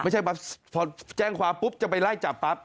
ไม่ใช่แป๊บพอแจ้งความปุ๊บจะไปไล่จับปั๊บ